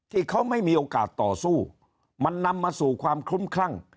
ที่เขาไม่มีโอกาสต่อสู้มันนำมาสู่ความคลุ้มคลั่ง